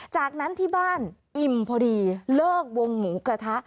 จากนั้นที่บ้านอิ่มพอดีเลิกวงหมูกระทะ